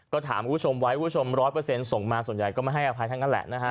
ก็ถามคุณผู้ชมไว้คุณผู้ชม๑๐๐ส่งมาส่วนใหญ่ก็ไม่ให้อภัยทั้งนั้นแหละนะฮะ